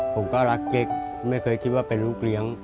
ผมก็รักเก๊กไม่เคยคิดว่าเป็นลูกเลี้ยง